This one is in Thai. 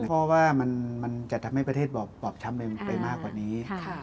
เพราะว่ามันจะทำให้ประเทศบอบช้ำไปมากกว่านี้